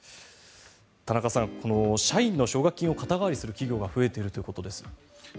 田中さん、この社員の奨学金を肩代わりする企業が増えているということです。